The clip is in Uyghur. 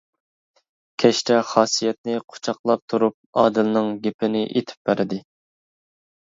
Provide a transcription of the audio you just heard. كەچتە خاسىيەتنى قۇچاقلاپ تۇرۇپ ئادىلنىڭ گېپىنى ئېيتىپ بەردى.